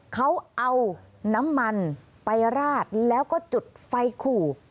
เขาเอาน้ำมันไปราดแล้วก็จุดไฟขู่